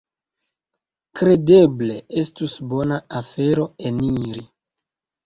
Kredeble estus bona afero eniri.